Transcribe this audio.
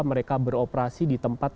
mereka beroperasi di tempat